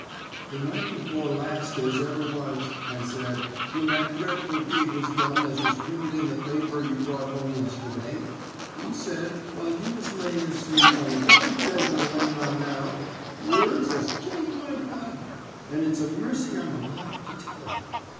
"'The night before last as ever was,' I said, 'when that dreadful deed was done as was printed in the paper you brought home yesterday, you said, while you was laying asleep on the very bed you're laying on now, words as chilled my blood, and it's a mercy I'm alive to tell it.